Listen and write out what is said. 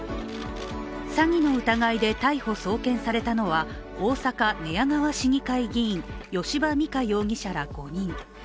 詐欺の疑いで逮捕・送検されたのは大阪・寝屋川市議会議員、吉羽美華容疑者ら５人。